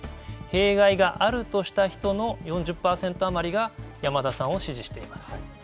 弊害があるとした人の４０％余りが山田さんを支持しています。